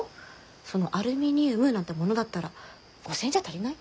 そのアルミニウムなんてものだったら５，０００円じゃ足りない？